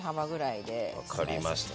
分かりました。